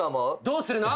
どうするの？